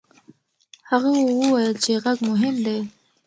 هغه وویل چې غږ مهم دی.